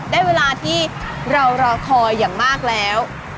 ได้เวลาที่เรารอคอยอย่างมากแล้ว